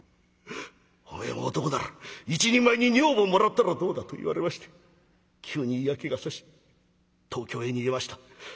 おめえも男なら一人前に女房をもらったらどうだと言われまして急に嫌気がさし東京へ逃げました。